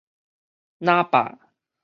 那霸